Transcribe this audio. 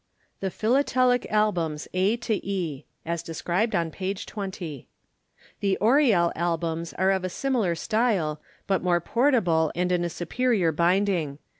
The PHILATELIC ALBUMS A to E. As described on page 20. The "ORIEL" Albums are of a similar style, but more portable and in a superior binding.